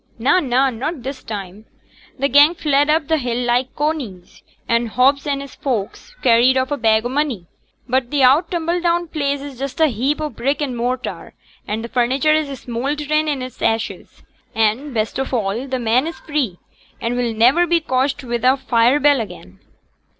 'Na, na, not this time. T' 'gang fled up t' hill like coneys; and Hobbs and his folks carried off a bag o' money; but t' oud tumbledown place is just a heap o' brick and mortar; an' t' furniture is smoulderin' int' ashes; and, best of a', t' men is free, and will niver be cotched wi' a fire bell again.'